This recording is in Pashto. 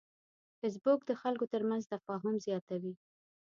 فېسبوک د خلکو ترمنځ تفاهم زیاتوي